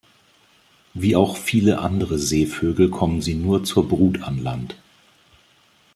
Wie auch viele andere Seevögel kommen sie nur zur Brut an Land.